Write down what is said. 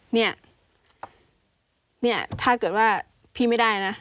เนี่ยเนี่ยถ้าเกิดว่าพี่ไม่ได้นะ